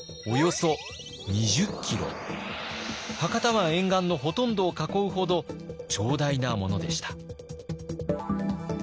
博多湾沿岸のほとんどを囲うほど長大なものでした。